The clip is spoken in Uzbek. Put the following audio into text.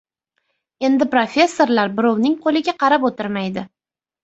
Endi professorlar birovning qoʻliga qarab oʻtirmaydi